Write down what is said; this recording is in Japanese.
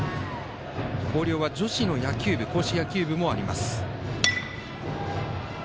広陵は女子の硬式野球部もあります。